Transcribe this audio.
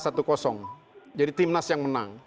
jadi tim nasional yang menang